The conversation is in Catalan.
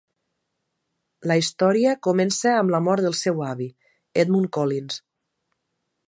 La història comença amb la mort del seu avi, Edmund Collins.